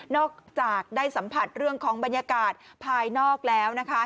จากได้สัมผัสเรื่องของบรรยากาศภายนอกแล้วนะคะ